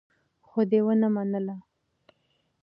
خو دې ونه منله.